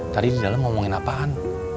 tadi di dalam ngomongin apaan